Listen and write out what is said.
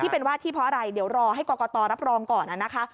เป็นว่าที่เพราะอะไรเดี๋ยวรอให้กรกตรับรองก่อนนะคะ